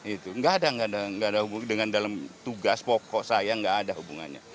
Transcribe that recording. itu nggak ada nggak ada hubungan dengan dalam tugas pokok saya nggak ada hubungannya